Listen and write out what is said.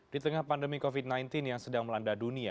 di tengah pandemi covid sembilan belas yang sedang melanda dunia